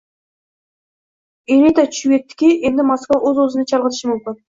Elita tushunib yetdiki, endi Moskva o'z -o'zini chalg'itishi mumkin